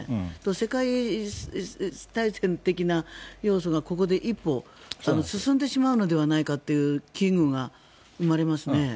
世界大戦的な要素がここで一歩進んでしまうのではないかという危惧が生まれますね。